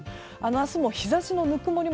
明日も日差しのぬくもり